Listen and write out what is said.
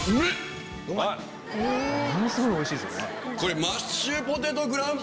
ものすごいおいしいですよね。